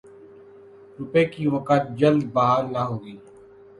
روپے کی وقعت جلد بحال نہ ہوگی۔